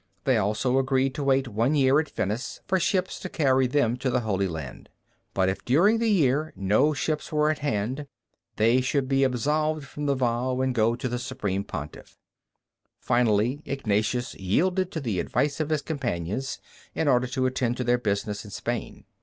They also agreed to wait one year at Venice for ships to carry them to the Holy Land; but if during the year no ship were at hand, they should be absolved from the vow, and go to the Sovereign Pontiff. Finally Ignatius yielded to the advice of his companions, in order to attend to their business in Spain.